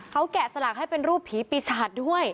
เขาแกะสลักให้เป็นรูปผีปีศาจด้วย